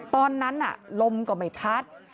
ตอนนั้นน่ะล้มกะไหมพัด